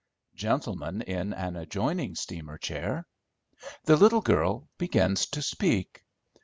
Gentleman in an adjoining steamer chair. The little girl begins to speak.